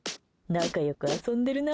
仲良く遊んでるな。